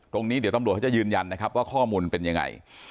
ตรงนี้เดี๋ยวตำรวจเขาจะยืนยันนะครับว่าข้อมูลเป็นยังไง